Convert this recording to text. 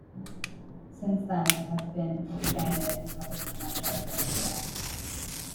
Since then, it has been expanded and covers a much larger area.